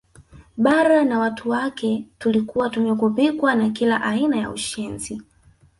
Bara na watu wake tulikuwa tumeghubikwa na kila aina ya ushenzi